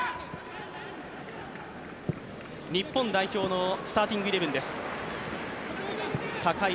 日本代表のスターティングイレブンです。